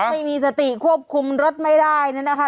ไม่มีสติควบคุมรถไม่ได้เนี่ยนะคะ